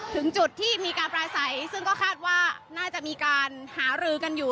ถึงจุดที่มีการปลาใสซึ่งก็คาดว่าน่าจะมีการหารือกันอยู่